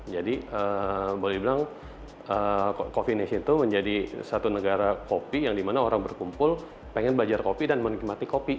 jadi boleh dibilang coffee nation itu menjadi satu negara kopi yang dimana orang berkumpul pengen belajar kopi dan menikmati kopi